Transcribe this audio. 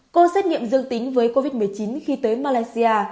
co xét nghiệm dương tính với covid một mươi chín khi tới malaysia